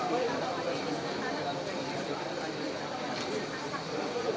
menyiapkan pertama atau dia itu postipulang